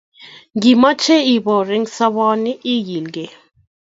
ngimeche iboor eng soboni igilgei